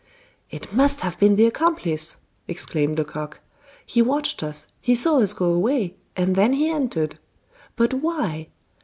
"It must have been the accomplice!" exclaimed Lecoq. "He watched us, he saw us go away, and then he entered. But why?